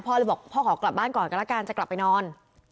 เลยบอกพ่อขอกลับบ้านก่อนก็แล้วกันจะกลับไปนอน